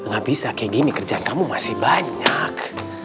gak bisa kayak gini kerjaan kamu masih banyak